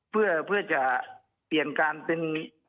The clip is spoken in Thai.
เพื่อจะเปลี่ยนการเป็น